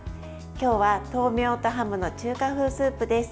今日は豆苗とハムの中華風スープです。